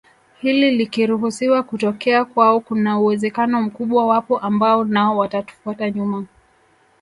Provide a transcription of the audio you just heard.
Hili likiruhusiwa kutokea kwao kuna uwezekano mkubwa wapo ambao nao watatufuata nyuma